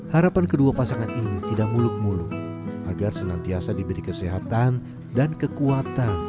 harapan kedua pasangan ini tidak muluk muluk agar senantiasa diberi kesehatan dan kekuatan